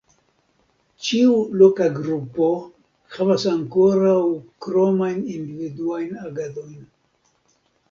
Ĉiu loka grupo havas ankoraŭ kromajn individuajn agadojn.